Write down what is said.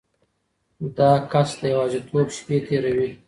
دا کس د یوازیتوب شپې تیروي.